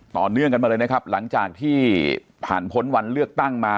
ต่อเนื่องกันมาเลยนะครับหลังจากที่ผ่านพ้นวันเลือกตั้งมา